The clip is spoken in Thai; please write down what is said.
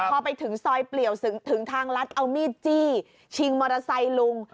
พอไปถึงซอยเปลี่ยวถึงทางลัดเอามีดจี้ชิงมอเตอร์ไซค์ลุง